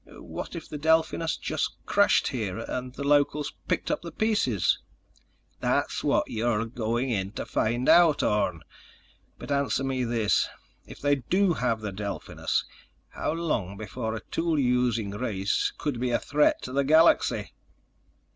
"What if the Delphinus just crashed here ... and the locals picked up the pieces?" "That's what you're going in to find out, Orne. But answer me this: If they do have the Delphinus, how long before a tool using race could be a threat to the galaxy?"